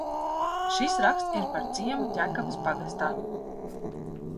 Šis raksts ir par ciemu Ķekavas pagastā.